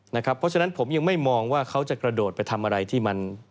เพราะฉะนั้นผมยังไม่มองว่าเขาจะกระโดดไปทำอะไรที่มัน